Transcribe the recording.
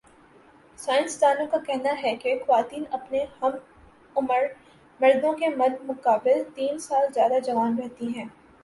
science دانوں کا کہنا ہے کہ خواتین اپنے ہم عمر مردوں کے مدمقابل تین سال زیادہ جوان رہتی ہے